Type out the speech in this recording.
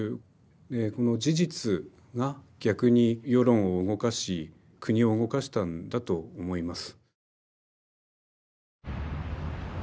この事実が逆に世論を動かし国を動かしたんだと思います。